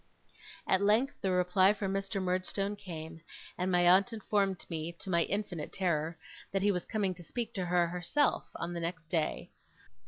At length the reply from Mr. Murdstone came, and my aunt informed me, to my infinite terror, that he was coming to speak to her herself on the next day.